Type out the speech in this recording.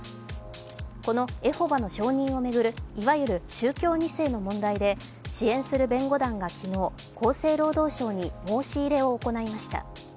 このエホバの証人を巡るいわゆる宗教２世の問題で支援する弁護団が昨日、厚生労働省に申し入れを行いました。